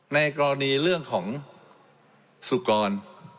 ในกรณีเรื่องของสุกร